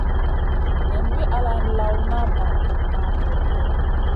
Nen wi ala lawna ma gudmaha bur kep.